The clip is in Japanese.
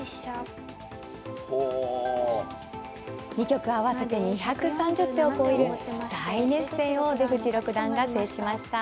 ２局合わせて２３０手を超える大熱戦を出口六段が制しました。